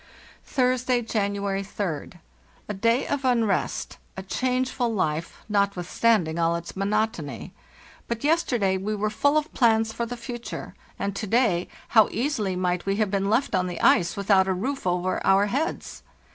" Thursday, January 3d. A day of unrest, a changeful life, notwithstanding all its monotony. But yesterday we were full of plans for the future, and to day how easily might we have been left on the ice without a roof over our heads!